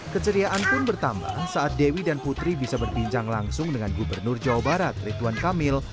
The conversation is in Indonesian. keceriaan pun bertambah saat dewi dan putri bisa berbincang langsung dengan gubernur jawa barat rituan kamil